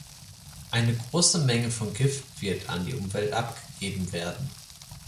Ein große Menge von Gift wird an die Umwelt abgegeben werden.